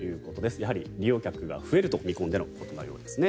やはり利用客が増えると見込んでのことのようですね。